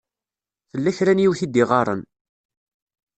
Tella kra n yiwet i d-iɣaṛen.